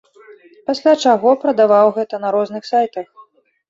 Пасля чаго прадаваў гэта на розных сайтах.